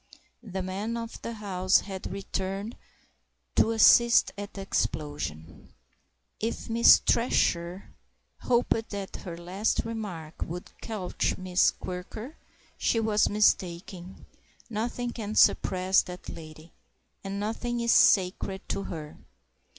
The man of the house had returned to assist at the explosion. If Miss Thresher hoped that her last remark would quelch Miss Quirker, she was mistaken nothing can suppress that lady, and nothing is sacred to her.